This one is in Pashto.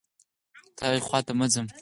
ته هاغې خوا ته مه ځه